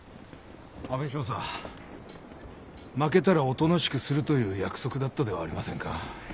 阿部少佐負けたらおとなしくするという約束だったではありませんか。